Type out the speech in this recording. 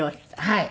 はい。